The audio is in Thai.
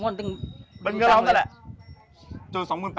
บรรเงินเราตั้งแหละ